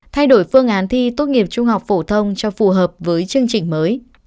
thay đổi phương án thi tốt nghiệp trung học phổ thông cho phù hợp với chương trình mới